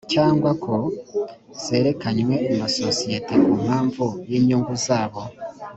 cyangwa ko zerekanywe na sosiyete ku mpamvu y’inyungu zabo